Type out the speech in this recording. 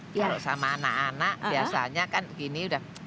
kalau sama anak anak biasanya kan gini udah